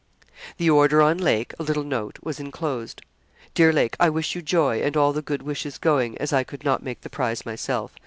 The order on Lake, a little note, was enclosed: 'Dear Lake, I wish you joy, and all the good wishes going, as I could not make the prize myself.